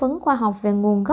ông terence bổ sung